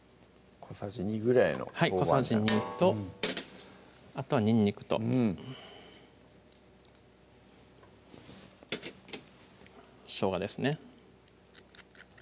小さじ２ぐらいの豆板醤小さじ２とあとはにんにくとうんしょうがですね